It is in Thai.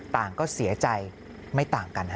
ต่างก็เสียใจไม่ต่างกันฮะ